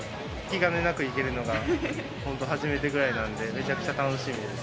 気兼ねなく行けるのが、本当初めてぐらいなんで、めちゃくちゃ楽しいです。